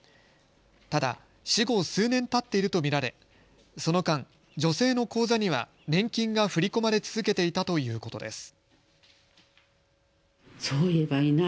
ただ死後数年たっていると見られその間、女性の口座には年金が振り込まれ続けていたということです。